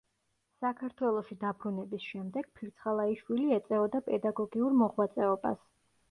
საქართველოში დაბრუნების შემდეგ ფირცხალაიშვილი ეწეოდა პედაგოგიურ მოღვაწეობას.